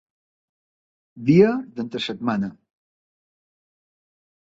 Dia d'entre setmana.